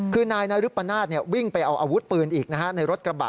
คือนายนารุปนาศวิ่งไปเอาอาวุธปืนอีกในรถกระบะ